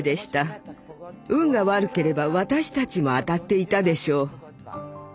運が悪ければ私たちも当たっていたでしょう。